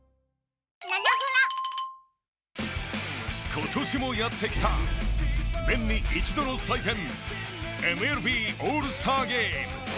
今年もやってきた年に一度の祭典ＭＬＢオールスターゲーム。